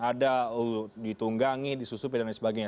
ada ditunggangi disusupi dan lain sebagainya